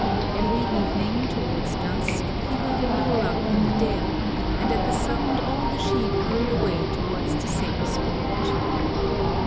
Every evening, towards dusk, he heard a lure up in the dale^ and at the sound all the sheep hurried away towards the same spot.